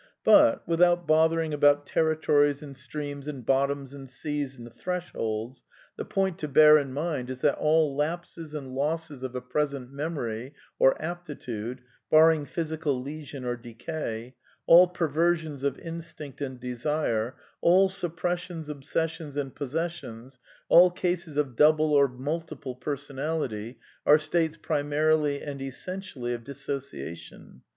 But (without bothering about territories and streams THE NEW MYSTICISM 259 and bottoms and seas and thresholds ), the point to bear in mind is that all lapses and losses of a present memory or aptitude (barring physical lesion or decay), all perversions of instinct and desire, all suppressions, obsessions and pos sessions, all cases of double or multiple personality, are states primarily and essentially of dissociation